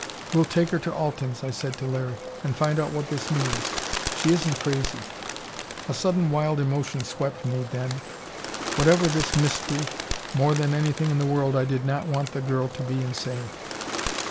"We'll take her to Alten's," I said to Larry, "and find out what this means. She isn't crazy." A sudden wild emotion swept me, then. Whatever this mystery, more than anything in the world I did not want the girl to be insane!